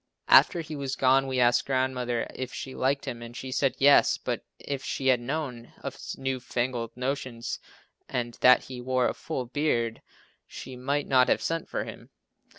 After he was gone, we asked Grandmother if she liked him and she said yes, but if she had known of his "new fangled" notions and that he wore a full beard she might not have sent for him!